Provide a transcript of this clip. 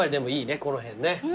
この辺ね。